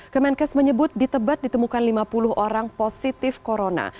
kemenkes menyebut di tebet ditemukan lima puluh orang positif corona